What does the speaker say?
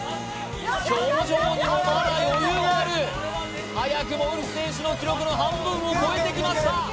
表情にもまだ余裕がある早くもウルフ選手の記録の半分を超えてきました